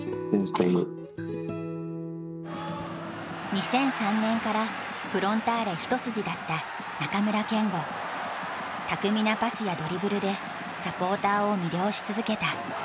２００３年からフロンターレ一筋だった巧みなパスやドリブルでサポーターを魅了し続けた。